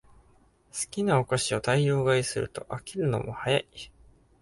好きなお菓子を大量買いすると飽きるのも早い